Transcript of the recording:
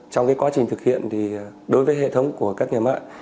trong quá trình thực hiện thì đối với hệ thống của các nhà mạng